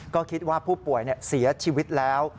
ก็คิดว่าผู้ป่วยเสียชีวิตแล้ว